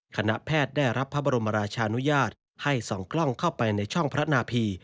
คณะแพทย์ได้รับพระบรมราชานุญาตให้ส่องกล้องเข้าไปในช่องพระนาพี